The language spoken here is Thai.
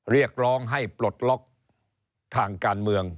เรียกร้องให้ปลดล็อกทางการเมือง